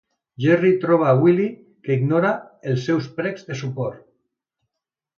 Gerry troba a Billy, que ignora els seus precs de suport.